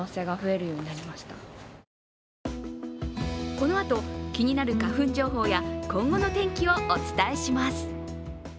このあと、気になる花粉情報や今後の天気をお伝えします。